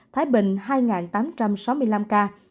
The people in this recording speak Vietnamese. thái bình hai tám trăm sáu mươi năm ca